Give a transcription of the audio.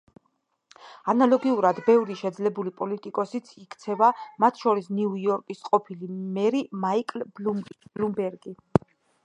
ანალოგიურად ბევრი შეძლებული პოლიტიკოსიც იქცევა, მათ შორის ნიუ იორკის ყოფილი მერი მაიკლ ბლუმბერგი.